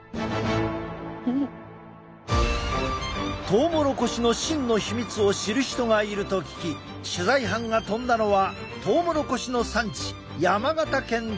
トウモロコシの芯の秘密を知る人がいると聞き取材班が飛んだのはトウモロコシの産地山形県鶴岡市。